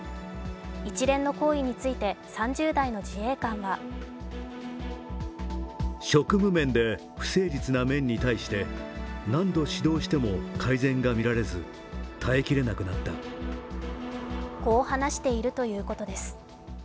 一連の行為について３０代の自衛官はこう話しているということです。